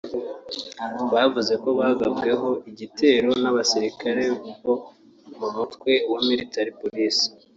bavuze ko bagabweho igitero n’abasirikare bo mu mutwe wa Military Police